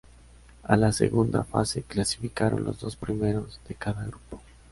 A la segunda fase clasificaron los dos primeros de cada grupo.